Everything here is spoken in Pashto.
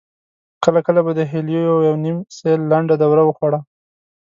کله کله به د هيليو يوه نيم سېل لنډه دوره وخوړه.